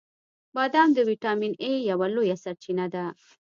• بادام د ویټامین ای یوه لویه سرچینه ده.